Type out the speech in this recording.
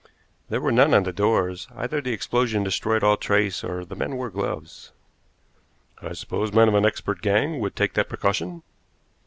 "There were none on the doors. Either the explosion destroyed all trace or the men wore gloves." "I suppose men of an expert gang would take that precaution?"